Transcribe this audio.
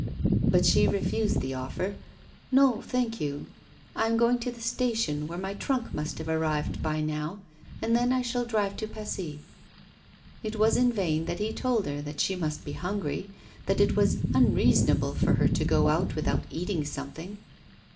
But she refused the offer. 'No, thank you. I am going to the station, where my trunk must have arrived by now, and then I shall drive to Passy.' It was in vain that he told her that she must be hungry, that it was unreasonable for her to go out without eating something.